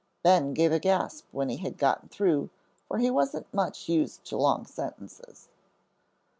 Ben gave a gasp when he had gotten through, for he wasn't much used to long sentences.